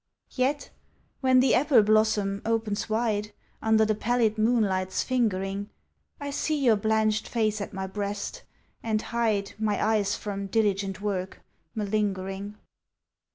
Yet, when the apple blossom opens wide Under the pallid moonlight's fingering, I see your blanched face at my breast, and hide My eyes from diligent work, malingering.